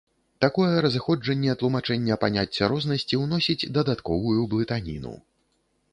Такое разыходжанне тлумачэння паняцця рознасці ўносіць дадатковую блытаніну.